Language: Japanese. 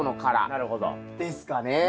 なるほど。ですかね。